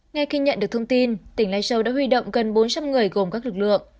ngay khi nhận được thông tin tỉnh lai châu đã huy động gần bốn trăm linh người gồm các lực lượng